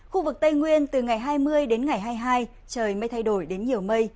khu vực tây nguyên từ ngày hai mươi đến ngày hai mươi hai trời mây thay đổi đến nhiều mây